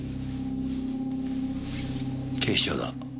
警視庁だ。